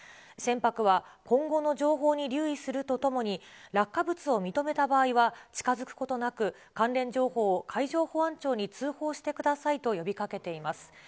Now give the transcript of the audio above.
船舶は今後の情報に留意するとともに、落下物を認めた場合は近づくことなく、関連情報を海上保安庁に通報してくださいと呼びかけています。